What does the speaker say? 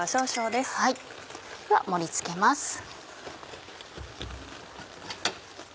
では盛り付けます。